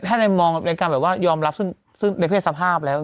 ถ้าในมองในการแบบว่ายอมรับซึ่งในเพศสภาพแล้ว